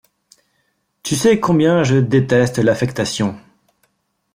Tu sais combien je déteste l'affectation.